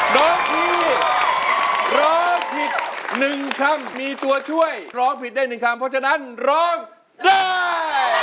น้องทีร้องผิด๑คำมีตัวช่วยร้องผิดได้๑คำเพราะฉะนั้นร้องได้